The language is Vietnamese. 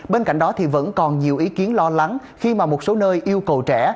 bên cạnh đó thì vẫn còn nhiều ý kiến lo lắng khi mà một số nơi yêu cầu trẻ